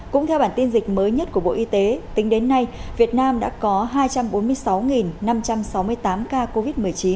cũng theo bản tin dịch mới nhất của bộ y tế tính đến nay việt nam đã có hai trăm bốn mươi sáu năm trăm sáu mươi tám ca covid một mươi chín